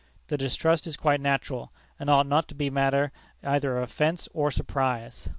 The distrust is quite natural, and ought not to be matter either of offence or surprise.